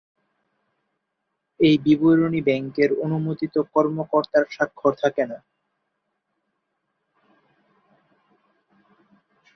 এই বিবরণী ব্যাংকের অনুমোদিত কর্মকর্তার স্বাক্ষর থাকে না।